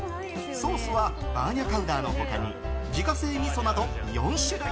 ソースはバーニャカウダの他に自家製みそなど４種類。